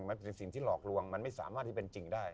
หรือสิ่งที่หลอกลวงมันไม่สามารถที่เป็นจริงได้